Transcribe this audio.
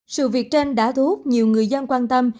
sự việc trên đã thu hút nhiều người dân quan tâm